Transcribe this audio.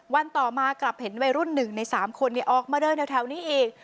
ต่อมากลับเห็นวัยรุ่น๑ใน๓คนออกมาเดินแถวนี้อีก